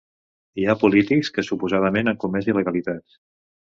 Hi ha polítics que suposadament han comès il·legalitats.